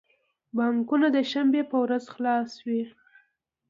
بانکونه د شنبی په ورځ خلاص وی